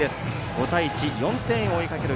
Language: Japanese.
５対１、４点を追いかける